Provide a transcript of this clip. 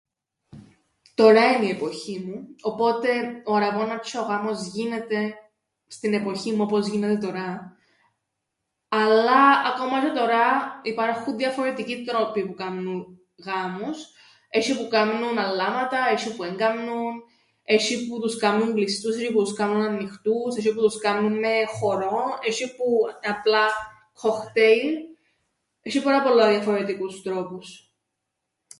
Τωρά εν’ η εποχή μου, οπότε ο αρραβώνας τζ̆αι ο γάμος γίνεται στην εποχήν μου όπως γίνεται τωρά. Αλλά ακόμα τζ̆αι τωρά υπάρχουν διαφορετικοί τρόποι που κάμνουν γάμους. Έσ̆ει που κάμνουν αλλάματα έσ̆ει που εν κάμνουν, έσ̆ει που τους κάμνουν κλειστούς, έσ̆ει που τους κάμνουν αννοιχτούς, έσ̆ει που τους κάμνουν με χορόν, έσ̆ει που απλά κκοκτέιλ. Έσ̆ει πάρα πολλά διαφορετικούς τρόπους.